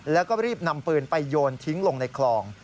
แล้วก็รีบนำปืนไปโยนทิ้งลงในคลอง